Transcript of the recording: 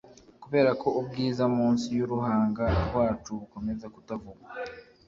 Kuberako ubwiza munsi yuruhanga rwacu bukomeza kutavugwa